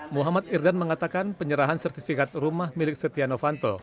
muhammad irdan mengatakan penyerahan sertifikat rumah milik setia novanto